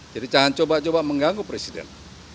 jadi jangan coba coba mengganggu presiden